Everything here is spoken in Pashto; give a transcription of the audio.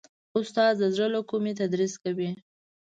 استاد د زړه له کومي تدریس کوي.